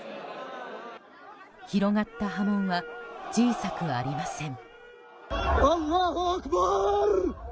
広がった波紋は小さくありません。